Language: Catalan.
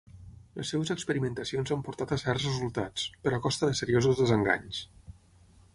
Les seves experimentacions han portat a certs resultats; però a costa de seriosos desenganys.